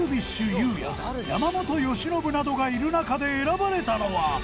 有や山本由伸などがいる中で選ばれたのは。